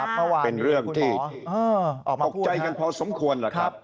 เป็นเรื่องที่ตกใจกันพอสมควร